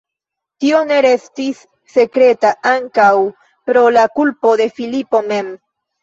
Tio ne restis sekreta ankaŭ pro la kulpo de Filipo mem.